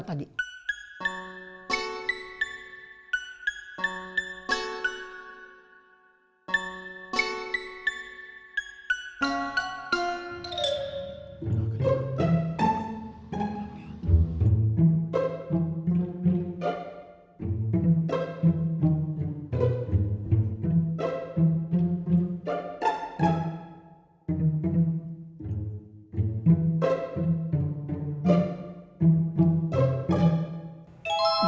sampai di mana tadi